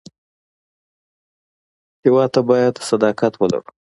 هېواد ته باید صداقت ولرو